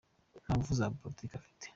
Nta ngufu za Politiki afite ?.